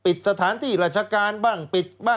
สวัสดีค่ะต้องรับคุณผู้ชมเข้าสู่ชูเวสตีศาสตร์หน้า